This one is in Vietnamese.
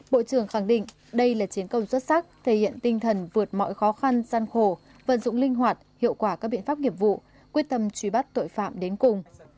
bộ trưởng khẳng định đây là chiến công xuất sắc thể hiện tinh thần vượt mọi khó khăn gian khổ vận dụng linh hoạt hiệu quả các biện pháp nghiệp vụ quyết tâm truy bắt tội phạm đến cùng